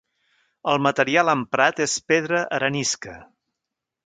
El material emprat és pedra arenisca.